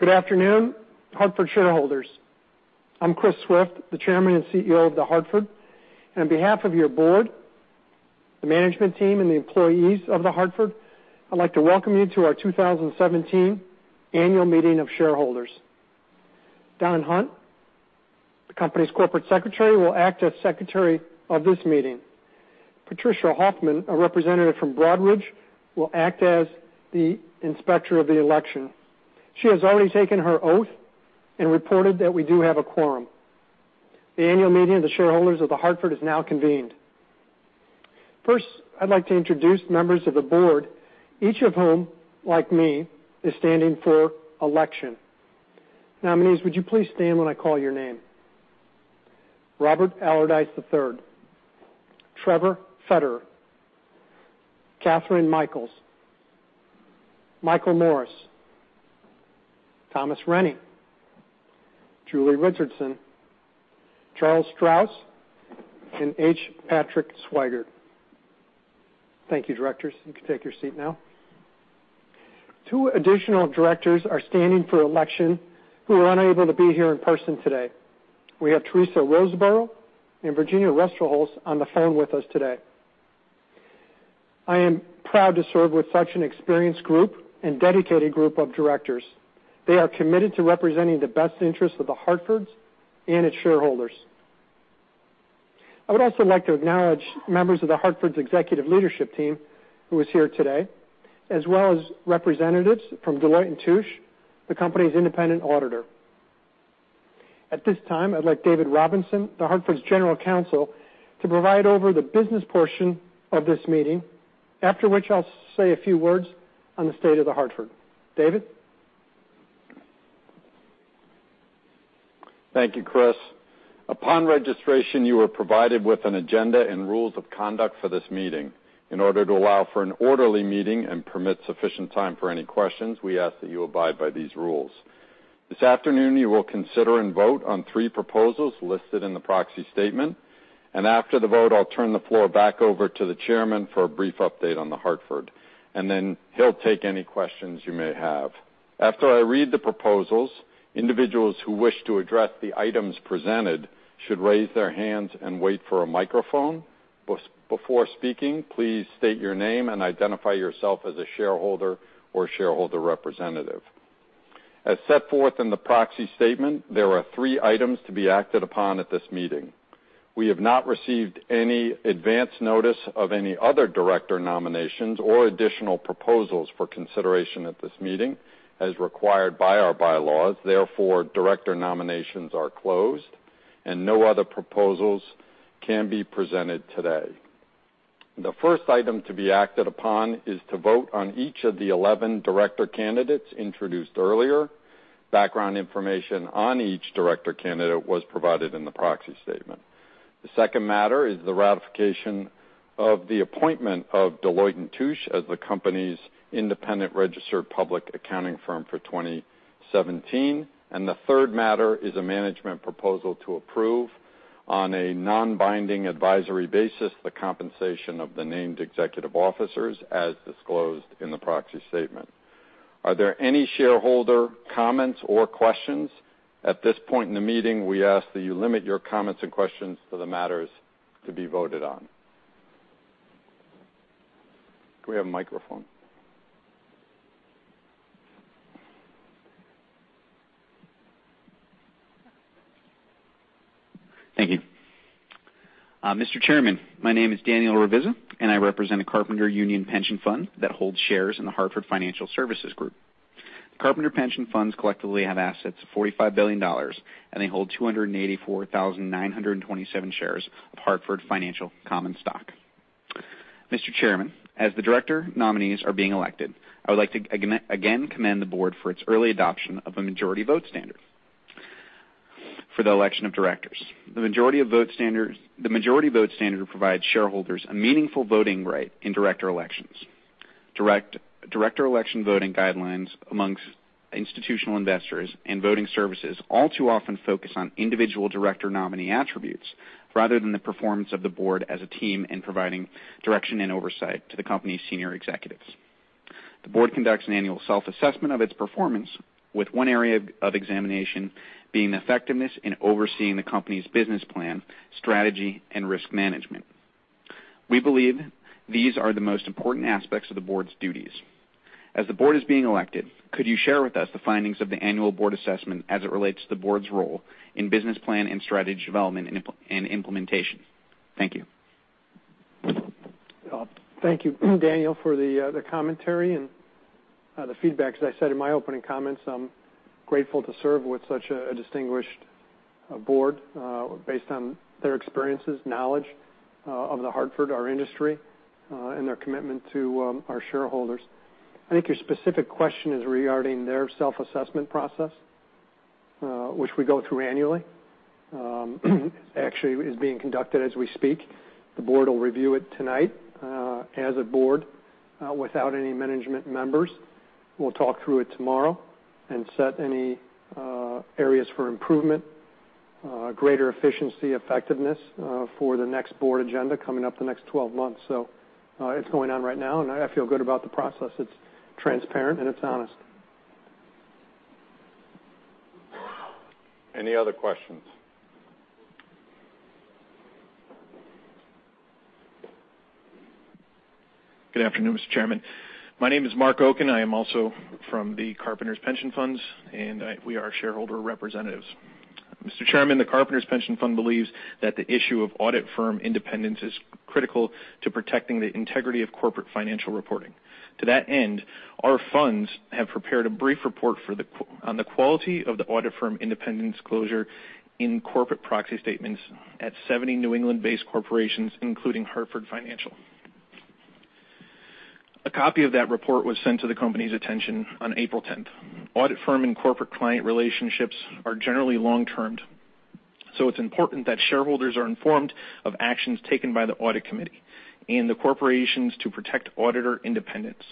Good afternoon, Hartford shareholders. I'm Chris Swift, the Chairman and CEO of The Hartford. On behalf of your board, the management team, and the employees of The Hartford, I'd like to welcome you to our 2017 annual meeting of shareholders. Don Hunt, the company's corporate secretary, will act as secretary of this meeting. Patricia Hoffman, a representative from Broadridge, will act as the inspector of the election. She has already taken her oath and reported that we do have a quorum. The annual meeting of the shareholders of The Hartford is now convened. First, I'd like to introduce members of the board, each of whom, like me, is standing for election. Nominees, would you please stand when I call your name? Robert Allardice III, Trevor Fetter, Kathryn Mikells, Michael Morris, Thomas Renyi, Julie Richardson, Charles Strauss, and H. Patrick Swygert. Thank you, directors. You can take your seat now. Two additional directors are standing for election who are unable to be here in person today. We have Teresa Roseborough and Virginia Ruesterholz on the phone with us today. I am proud to serve with such an experienced group and dedicated group of directors. They are committed to representing the best interests of The Hartford's and its shareholders. I would also like to acknowledge members of The Hartford's executive leadership team, who is here today, as well as representatives from Deloitte & Touche, the company's independent auditor. At this time, I'd like David Robinson, The Hartford's General Counsel, to preside over the business portion of this meeting, after which I'll say a few words on the state of The Hartford. David? Thank you, Chris. Upon registration, you were provided with an agenda and rules of conduct for this meeting. In order to allow for an orderly meeting and permit sufficient time for any questions, we ask that you abide by these rules. This afternoon, you will consider and vote on three proposals listed in the proxy statement. After the vote, I'll turn the floor back over to the chairman for a brief update on The Hartford. Then he'll take any questions you may have. After I read the proposals, individuals who wish to address the items presented should raise their hands and wait for a microphone. Before speaking, please state your name and identify yourself as a shareholder or shareholder representative. As set forth in the proxy statement, there are three items to be acted upon at this meeting. We have not received any advance notice of any other director nominations or additional proposals for consideration at this meeting, as required by our bylaws. Therefore, director nominations are closed. No other proposals can be presented today. The first item to be acted upon is to vote on each of the 11 director candidates introduced earlier. Background information on each director candidate was provided in the proxy statement. The second matter is the ratification of the appointment of Deloitte & Touche as the company's independent registered public accounting firm for 2017. The third matter is a management proposal to approve on a non-binding advisory basis the compensation of the named executive officers as disclosed in the proxy statement. Are there any shareholder comments or questions? At this point in the meeting, we ask that you limit your comments and questions to the matters to be voted on. Can we have a microphone? Thank you. Mr. Chairman, my name is Daniel Ravizza, and I represent a Carpenters Pension Funds that holds shares in The Hartford Financial Services Group. Carpenters Pension Funds collectively have assets of $45 billion, and they hold 284,927 shares of Hartford Financial common stock. Mr. Chairman, as the director nominees are being elected, I would like to again commend the board for its early adoption of a majority vote standard for the election of directors. The majority vote standard will provide shareholders a meaningful voting right in director elections. Director election voting guidelines amongst institutional investors and voting services all too often focus on individual director nominee attributes rather than the performance of the board as a team in providing direction and oversight to the company's senior executives. The board conducts an annual self-assessment of its performance, with one area of examination being effectiveness in overseeing the company's business plan, strategy, and risk management. We believe these are the most important aspects of the board's duties. As the board is being elected, could you share with us the findings of the annual board assessment as it relates to the board's role in business plan and strategy development and implementation? Thank you. Thank you, Daniel, for the commentary and the feedback. As I said in my opening comments, I'm grateful to serve with such a distinguished board based on their experiences, knowledge of The Hartford, our industry, and their commitment to our shareholders. I think your specific question is regarding their self-assessment process, which we go through annually. Actually, it is being conducted as we speak. The board will review it tonight as a board without any management members. We'll talk through it tomorrow and set any areas for improvement, greater efficiency, effectiveness, for the next board agenda coming up the next 12 months. It's going on right now, and I feel good about the process. It's transparent and it's honest. Any other questions? Good afternoon, Mr. Chairman. My name is Mark Okin. I am also from the Carpenters Pension Funds, and we are shareholder representatives. Mr. Chairman, the Carpenters Pension Fund believes that the issue of audit firm independence is critical to protecting the integrity of corporate financial reporting. To that end, our funds have prepared a brief report on the quality of the audit firm independence disclosure in corporate proxy statements at 70 New England-based corporations, including Hartford Financial. A copy of that report was sent to the company's attention on April 10th. Audit firm and corporate client relationships are generally long-term, so it's important that shareholders are informed of actions taken by the audit committee and the corporations to protect auditor independence.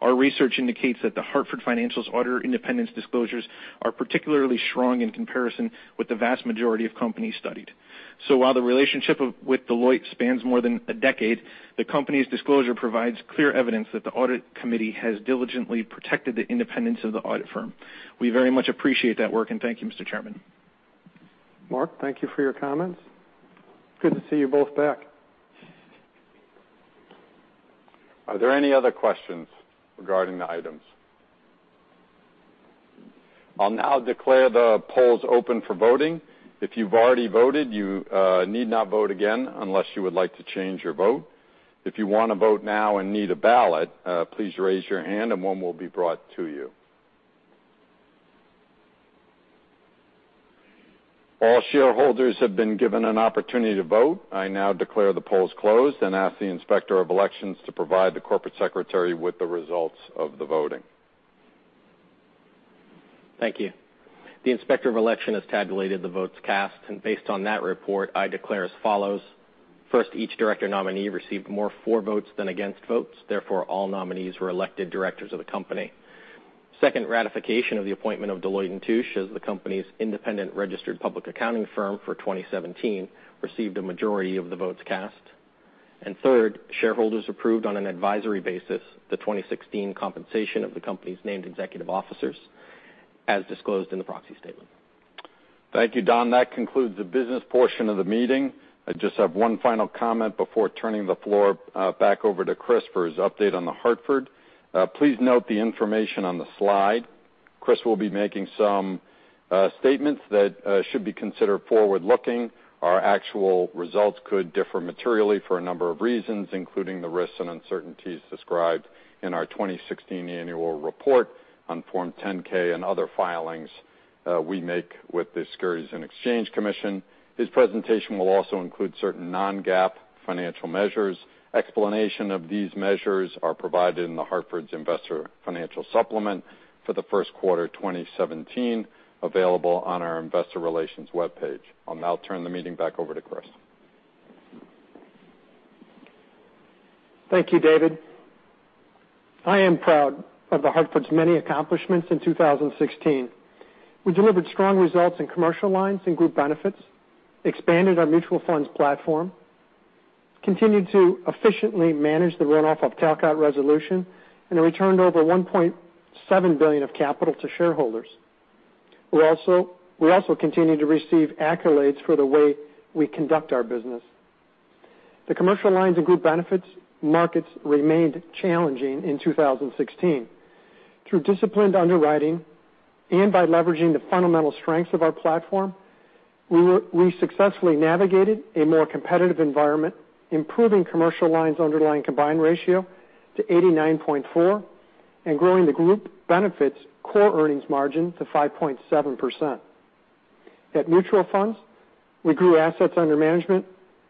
Our research indicates that The Hartford Financial's auditor independence disclosures are particularly strong in comparison with the vast majority of companies studied. While the relationship with Deloitte spans more than a decade, the company's disclosure provides clear evidence that the audit committee has diligently protected the independence of the audit firm. We very much appreciate that work, and thank you, Mr. Chairman. Mark, thank you for your comments. Good to see you both back. Are there any other questions regarding the items? I'll now declare the polls open for voting. If you've already voted, you need not vote again unless you would like to change your vote. If you want to vote now and need a ballot, please raise your hand and one will be brought to you. All shareholders have been given an opportunity to vote. I now declare the polls closed and ask the Inspector of Elections to provide the Corporate Secretary with the results of the voting. Thank you. The Inspector of Election has tabulated the votes cast, based on that report, I declare as follows. First, each director nominee received more for votes than against votes. Therefore, all nominees were elected directors of the company. Second, ratification of the appointment of Deloitte & Touche as the company's independent registered public accounting firm for 2017 received a majority of the votes cast. Third, shareholders approved on an advisory basis the 2016 compensation of the company's named executive officers, as disclosed in the proxy statement. Thank you, Don. That concludes the business portion of the meeting. I just have one final comment before turning the floor back over to Chris for his update on The Hartford. Please note the information on the slide. Chris will be making some statements that should be considered forward-looking. Our actual results could differ materially for a number of reasons, including the risks and uncertainties described in our 2016 annual report on Form 10-K and other filings we make with the Securities and Exchange Commission. His presentation will also include certain non-GAAP financial measures. Explanation of these measures are provided in The Hartford's Investor Financial Supplement for the first quarter 2017, available on our investor relations webpage. I'll now turn the meeting back over to Chris. Thank you, David. I am proud of The Hartford's many accomplishments in 2016. We delivered strong results in Commercial Lines and Group Benefits, expanded our Mutual Funds platform, continued to efficiently manage the runoff of Talcott Resolution, returned over $1.7 billion of capital to shareholders. We also continued to receive accolades for the way we conduct our business. The Commercial Lines and Group Benefits markets remained challenging in 2016. Through disciplined underwriting and by leveraging the fundamental strengths of our platform, we successfully navigated a more competitive environment, improving Commercial Lines' underlying combined ratio to 89.4% and growing the Group Benefits core earnings margin to 5.7%. At Mutual Funds, we grew assets under management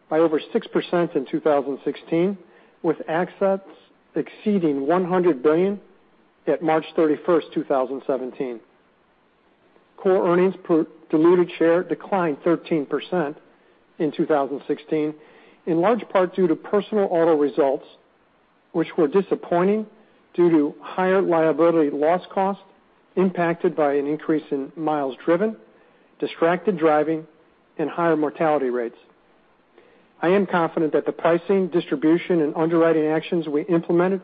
by over 6% in 2016, with assets exceeding $100 billion at March 31st, 2017. Core earnings per diluted share declined 13% in 2016, in large part due to Personal auto results, which were disappointing due to higher liability loss cost impacted by an increase in miles driven, distracted driving, and higher mortality rates. I am confident that the pricing, distribution, and underwriting actions we implemented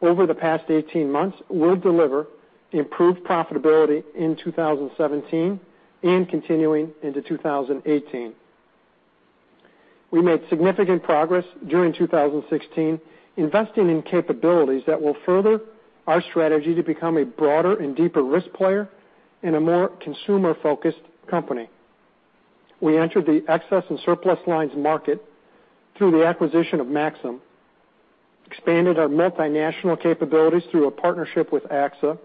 over the past 18 months will deliver improved profitability in 2017 and continuing into 2018. We made significant progress during 2016, investing in capabilities that will further our strategy to become a broader and deeper risk player and a more consumer-focused company. We entered the excess and surplus lines market through the acquisition of Maxum, expanded our multinational capabilities through a partnership with AXA,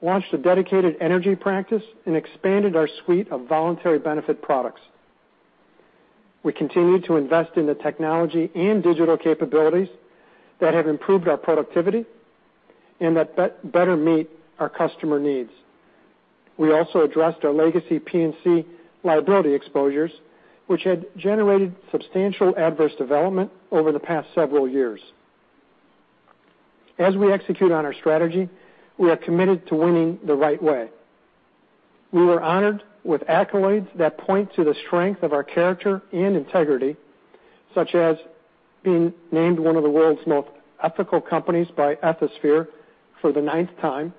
launched a dedicated energy practice, and expanded our suite of voluntary benefit products. We continued to invest in the technology and digital capabilities that have improved our productivity and that better meet our customer needs. We also addressed our legacy P&C liability exposures, which had generated substantial adverse development over the past several years. As we execute on our strategy, we are committed to winning the right way. We were honored with accolades that point to the strength of our character and integrity, such as being named one of the world's most ethical companies by Ethisphere for the ninth time,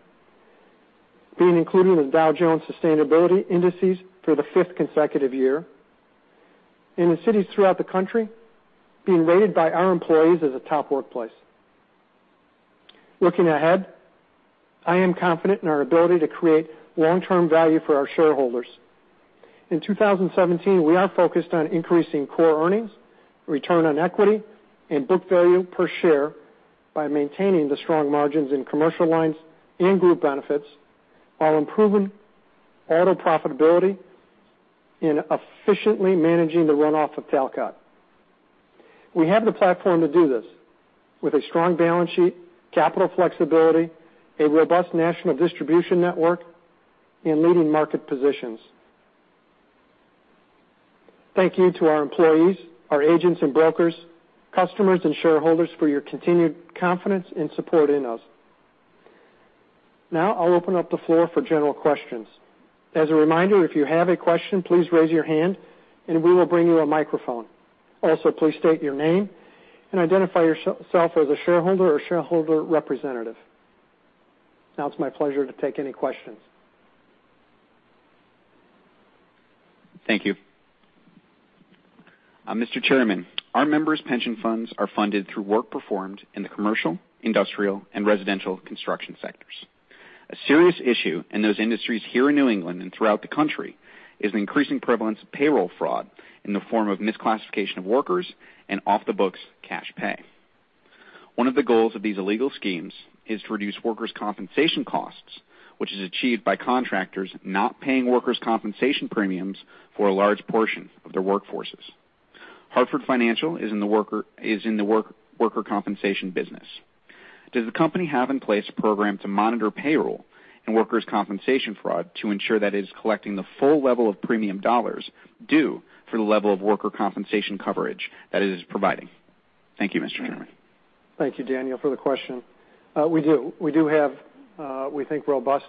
being included in the Dow Jones Sustainability Indices for the fifth consecutive year. In the cities throughout the country, being rated by our employees as a top workplace. Looking ahead, I am confident in our ability to create long-term value for our shareholders. In 2017, we are focused on increasing core earnings, return on equity, and book value per share by maintaining the strong margins in Commercial Lines and Group Benefits, while improving auto profitability and efficiently managing the runoff of Talcott. We have the platform to do this with a strong balance sheet, capital flexibility, a robust national distribution network, and leading market positions. Thank you to our employees, our agents and brokers, customers, and shareholders for your continued confidence and support in us. I'll open up the floor for general questions. As a reminder, if you have a question, please raise your hand and we will bring you a microphone. Please state your name and identify yourself as a shareholder or shareholder representative. It's my pleasure to take any questions. Thank you. Mr. Chairman, our members' pension funds are funded through work performed in the commercial, industrial, and residential construction sectors. A serious issue in those industries here in New England and throughout the country is the increasing prevalence of payroll fraud in the form of misclassification of workers and off-the-books cash pay. One of the goals of these illegal schemes is to reduce workers' compensation costs, which is achieved by contractors not paying workers' compensation premiums for a large portion of their workforces. Hartford Financial is in the workers' compensation business. Does the company have in place a program to monitor payroll and workers' compensation fraud to ensure that it is collecting the full level of premium dollars due for the level of workers' compensation coverage that it is providing? Thank you, Mr. Chairman. Thank you, Daniel, for the question. We do have, we think, robust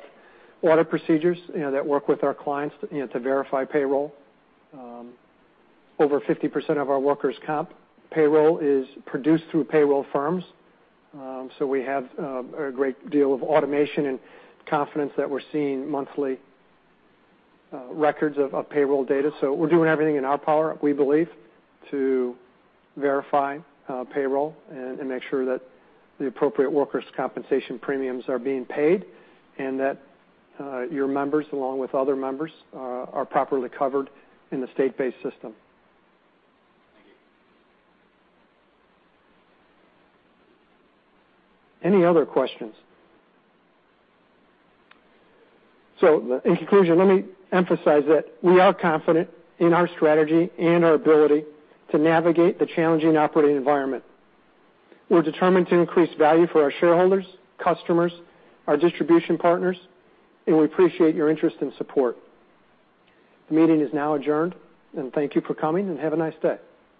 audit procedures that work with our clients to verify payroll. Over 50% of our workers' comp payroll is produced through payroll firms. We have a great deal of automation and confidence that we're seeing monthly records of payroll data. We're doing everything in our power, we believe, to verify payroll and make sure that the appropriate workers' compensation premiums are being paid and that your members, along with other members, are properly covered in the state-based system. Thank you. Any other questions? In conclusion, let me emphasize that we are confident in our strategy and our ability to navigate the challenging operating environment. We're determined to increase value for our shareholders, customers, our distribution partners. We appreciate your interest and support. The meeting is now adjourned. Thank you for coming, and have a nice day.